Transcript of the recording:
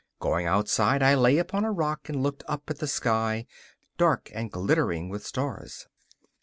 Going outside, I lay upon a rock and looked up at the sky, dark and glittering with stars.